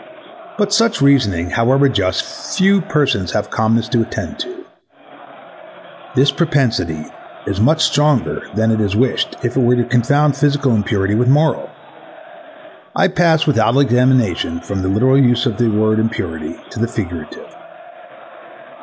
But such reasoning, however just, few persons have calmness to attend to. This propensity is much stronger than it is to be wished it were to confound physical impurity with moral. (I pass without examination from the literal use of the word impunity [to] the figurative.